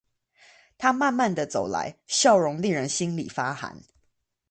它慢慢地走來，笑容令人心裡發寒